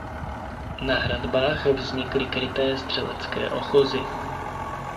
Na hradbách vznikly kryté střelecké ochozy.